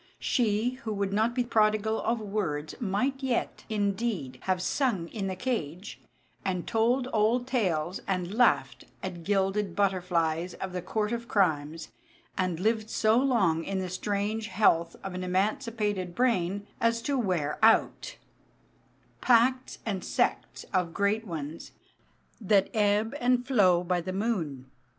She who would not be prodigal of words might yet, indeed, have sung in the cage, and told old tales, and laughed at gilded butterflies of the court of crimes, and lived so long in the strange health of an emancipated brain as to wear out Packs and sects of great ones That ebb and flow by the moon.